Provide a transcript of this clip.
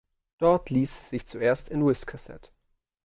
Dort ließ sie sich zuerst in Wiscasset.